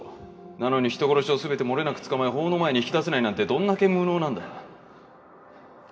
なのに人殺しを全てもれなく捕まえ法の前に引き出せないなんてどんだけ無能なんだよ。